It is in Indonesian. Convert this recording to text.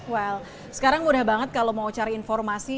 well sekarang mudah banget kalau mau cari informasi